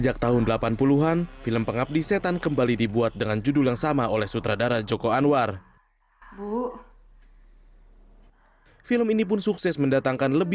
dan ada meme ini artinya memang sudah salah satu indikasi di dunia modern sepertinya ya